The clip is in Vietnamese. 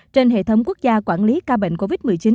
trên hệ thống quốc gia quản lý ca bệnh covid một mươi chín